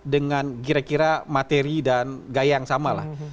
dengan kira kira materi dan gaya yang sama lah